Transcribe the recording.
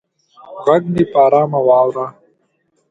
غږ مې په ارامه واوره